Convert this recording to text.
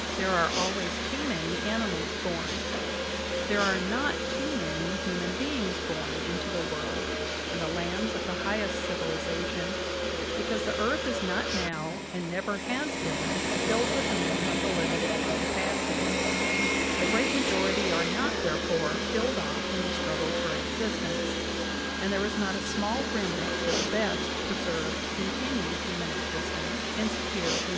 ... There are always too many animals born. ... There are not too many human beings born into the world in lands of the highest civilization, because the earth is not now and never has been filled with men to the limit of its capacity; the great majority are not, therefore, killed off in the struggle for existence, and there is not a small remnant of the best preserved to continue human existence NATIONAL ACADEMY BIOC.